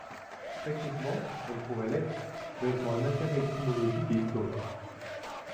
Techniquement, elles pourraient l'être, mais elles ont un intérêt étymologique et historique.